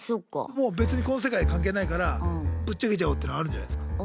もう別にこの世界関係ないからぶっちゃけちゃおうっていうのあるんじゃないすか。